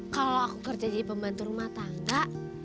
kalau aku kerja jadi pembantu rumah tangga